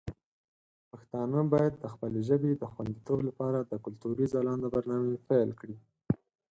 پښتانه باید د خپلې ژبې د خوندیتوب لپاره د کلتوري ځلانده برنامې پیل کړي.